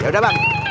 ya udah bang